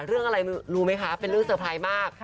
เรื่องอะไรรู้มั้ยคะ